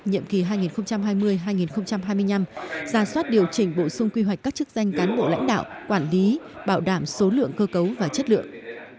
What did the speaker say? nhiệm kỳ hai nghìn hai mươi hai nghìn hai mươi năm ra soát điều chỉnh bổ sung quy hoạch các chức danh cán bộ lãnh đạo quản lý bảo đảm số lượng cơ cấu và chất lượng